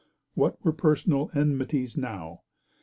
What were personal enmities now?